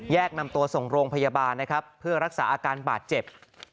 นำตัวส่งโรงพยาบาลนะครับเพื่อรักษาอาการบาดเจ็บ